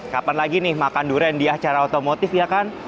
kapan lagi nih makan durian di acara otomotif ya kan